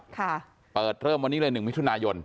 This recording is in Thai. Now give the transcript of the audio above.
ค่ะเปิดเริ่มวันนี้เลยหนึ่งมิถุนายน